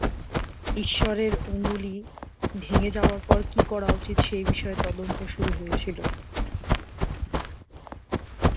"ঈশ্বরের অঙ্গুলি" ভেঙে যাওয়ার পর, কী করা উচিত, সেই বিষয়ে তদন্ত শুরু হয়েছিল।